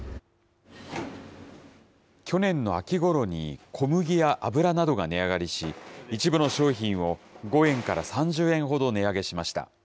去年の秋ごろに、小麦や油などが値上がりし、一部の商品を５円から３０円ほど値上げしました。